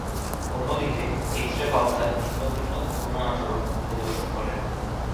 অন্যদিকে, x ray pulsar ভিন্ন ভিন্ন ঘূর্ণন আচরণ প্রদর্শন করে।